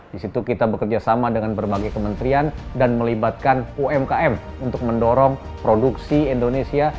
di situ kita bekerja sama dengan berbagai kementerian dan melibatkan umkm untuk mendorong produksi indonesia